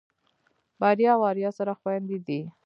بريا او آريا سره خويندې دي.